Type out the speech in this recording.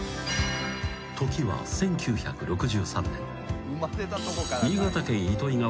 ［時は１９６３年］